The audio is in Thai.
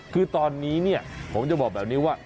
คือตอนนี้เนี่ยผมจะบอกแบบนี้ว่า